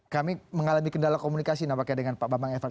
kami mengalami kendala komunikasi namanya dengan pak bambang efat